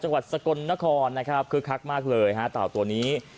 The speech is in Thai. จังหวัดสกลนครนะครับคือคลักษณ์มากเลยต่อตัวนี้